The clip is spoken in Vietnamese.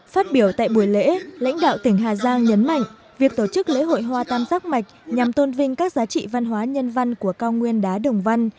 phát biểu tại buổi lễ lãnh đạo tỉnh hà giang nhấn mạnh việc tổ chức lễ hội hoa tam giác mạch nhằm tôn vinh các giá trị văn hóa nhân văn của cao nguyên đá đồng văn